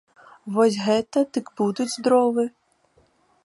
Вось гэта дык будуць дровы!